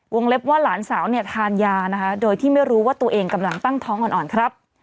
เล็บว่าหลานสาวเนี่ยทานยานะคะโดยที่ไม่รู้ว่าตัวเองกำลังตั้งท้องอ่อนครับ